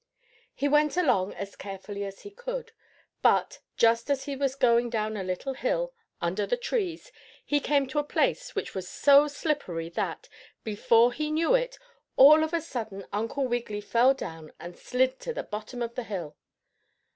He went along as carefully as he could, but, just as he was going down a little hill, under the trees, he came to a place which was so slippery that, before he knew it, all of a sudden Uncle Wiggily fell down and slid to the bottom of the hill.